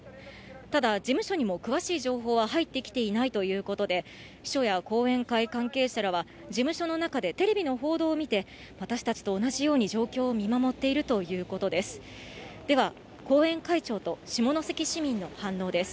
ただ、事務所にも詳しい情報は入ってきていないということで、秘書や後援会関係者は、事務所の中でテレビの報道を見て、私たちと同じように状況を見守っているということです。